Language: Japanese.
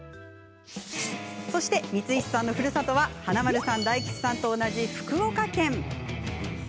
光石さんのふるさとは華丸さん、大吉さんと同じ福岡県。